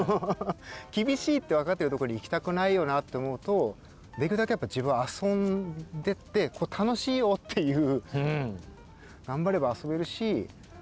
厳しいって分かってるところに行きたくないよなって思うとできるだけ自分は遊んでて楽しいよっていう。